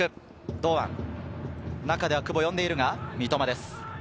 堂安、中で久保が呼んでいるが、三笘です。